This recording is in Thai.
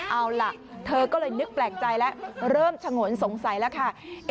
เอาล่ะเธอก็เลยนึกแปลกใจแล้วเริ่มฉงนสงสัยแล้วค่ะ